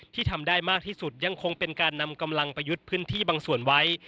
ทำได้มากที่สุดยังคงเป็นการนำกำลังประยุทธ์พื้นที่บางส่วนไว้